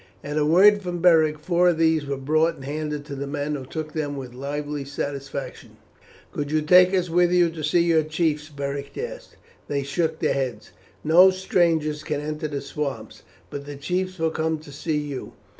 At a word from Beric four of these were brought and handed to the men, who took them with lively satisfaction. "Could you take us with you to see your chiefs?" Beric asked. They shook their heads. "No strangers can enter the swamps; but the chiefs will come to see you."